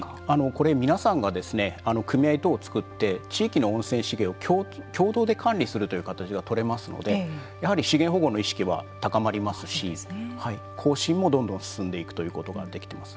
これ皆さんがですね組合等を作って地域の温泉資源を共同で管理するという形が取れますのでやはり資源保護の意識は高まりますし更新もどんどん進んでいくということができています。